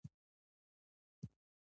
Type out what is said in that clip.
زرګري په افغانستان کې پخوانی کسب دی